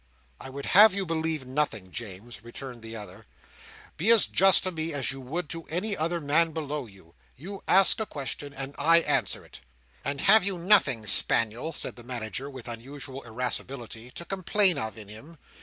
"I would have you believe nothing, James," returned the other. "Be as just to me as you would to any other man below you. You ask a question, and I answer it." "And have you nothing, Spaniel," said the Manager, with unusual irascibility, "to complain of in him?